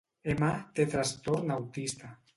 M té trastorn autista.